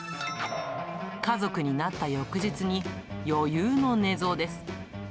家族になった翌日に、余裕の寝相です。